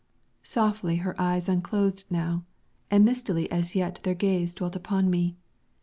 Softly her eyes unclosed now, and mistily as yet their gaze dwelt upon me.